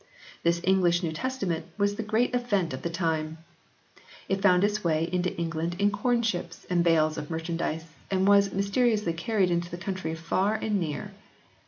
This English New Testament was the great event of the time. It found its way into England in corn ships and bales of merchandise and was mysteriously carried into the country far and near.